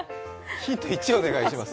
ヒント１、お願いします。